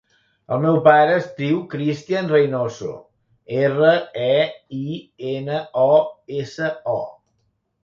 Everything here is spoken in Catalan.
El meu pare es diu Christian Reinoso: erra, e, i, ena, o, essa, o.